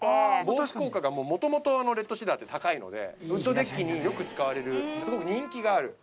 防腐効果が元々レッドシダーって高いのでウッドデッキによく使われるすごく人気がある材料。